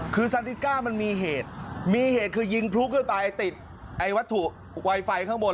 คือสันติก้ามันมีเหตุมีเหตุคือยิงพลุขึ้นไปติดไอ้วัตถุไวไฟข้างบน